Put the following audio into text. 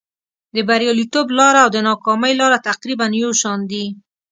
د بریالیتوب لاره او د ناکامۍ لاره تقریبا یو شان دي.